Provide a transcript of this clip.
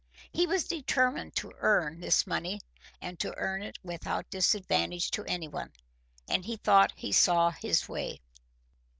He was determined to earn this money and to earn it without disadvantage to anyone. And he thought he saw his way.